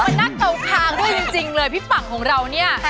มันน่าเกาคางด้วยจริงเลยพี่ฝั่งของเราเนี่ย